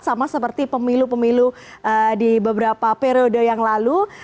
sama seperti pemilu pemilu di beberapa periode yang lalu